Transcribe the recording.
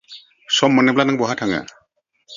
सम मोनोब्ला नों बहा थाङो?